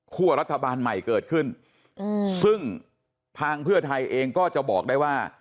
รัฐบาลใหม่เกิดขึ้นซึ่งทางเพื่อไทยเองก็จะบอกได้ว่า